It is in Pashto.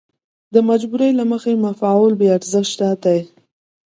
د مجبورۍ له مخې معافول بې ارزښته دي.